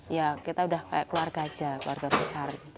ya kita udah kayak keluarga aja keluarga besar